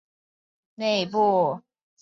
大多的升力都产生于翼展的内部。